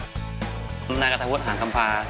เอาเป็นว่าน้องชุดนี้มีความโดดเด่นอย่างไรในสายตารุ่นพี่